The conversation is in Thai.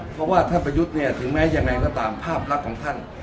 เพราะว่าท่านประยุทธ์เนี่ยถึงแม้ยังไงก็ตามภาพลักษณ์ของท่าน